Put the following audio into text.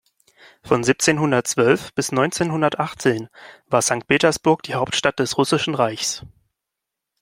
Von siebzehnhundertzwölf bis neunzehnhundertachtzehn war Sankt Petersburg die Hauptstadt des Russischen Reichs.